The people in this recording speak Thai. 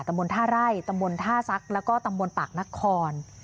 ตะมนต์ท่าไร่ตะมนต์ท่าซักและก็ตะมนต์ปากนักคอน